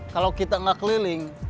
kalau kita gak keliling